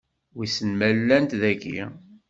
Wissen ma llant dagi?